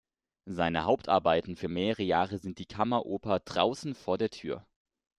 Seine Hauptarbeiten für mehrere Jahre sind die Kammeroper "Draußen vor der Tür".